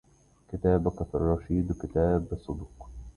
كتابك في الرشيد كتاب صدق